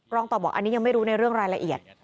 รองต่อบอกอันนี้ยังไม่รู้ในเรื่องรายละเอียด